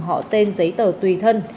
họ tên giấy tờ tùy thân